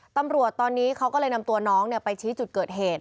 ตำรวจตอนนี้เขาก็เลยนำตัวน้องไปชี้จุดเกิดเหตุ